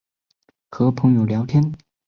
和朋友边聊天